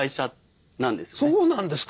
そうなんですか！